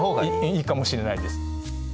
いいかもしれないです。